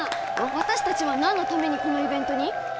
私達は何のためにこのイベントに？